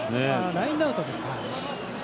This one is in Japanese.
ラインアウトですか。